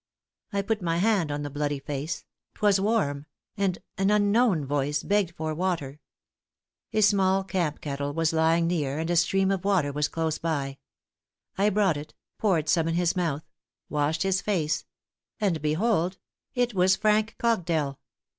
I put my hand on the bloody face; 'twas warm; and an unknown voice begged for water. A small camp kettle was lying near, and a stream of water was close by. I brought it; poured some in his mouth; washed his face; and behold it was Frank Cogdell.